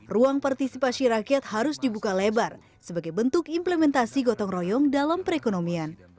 ruang partisipasi rakyat harus dibuka lebar sebagai bentuk implementasi gotong royong dalam perekonomian